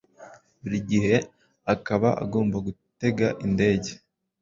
buri gihe akaba agomba gutega indege